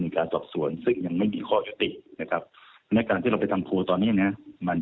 บ้านเราคราวนี้เนี่ยมัน